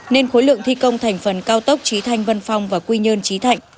nên khối lượng thi công thành phần cao tốc trí thanh vân phong và quy nhân trí thanh